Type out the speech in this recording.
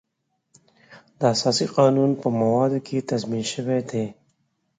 د اساسي قانون په موادو کې تضمین شوی دی.